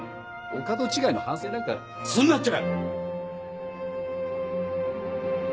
お門違いの反省なんかするなっちゃ！